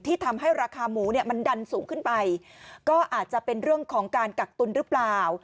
ทำให้ราคาหมูเนี่ยมันดันสูงขึ้นไปก็อาจจะเป็นเรื่องของการกักตุลหรือเปล่า